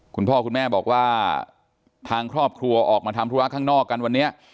คุณพ่อคุณแม่บอกว่าทางครอบครัวออกมาทำธุระข้างนอกกันวันนี้